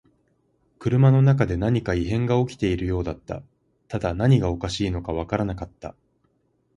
車の中で何か異変が起きているようだった。ただ何がおかしいのかわからなかった。